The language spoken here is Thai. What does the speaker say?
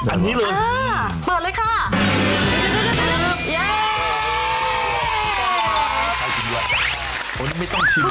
อันนี้อันนี้เลย